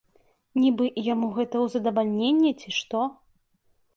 Нібы яму гэта ў задавальненне, ці што.